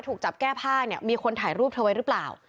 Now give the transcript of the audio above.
ถูกจับแก้ผ้าเนี่ยมีคนถ่ายรูปเธอไว้หรือเปล่า